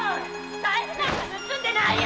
財布なんか盗んでないよ